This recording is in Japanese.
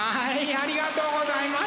ありがとうございます。